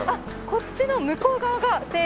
こっちの向こう側が正殿で。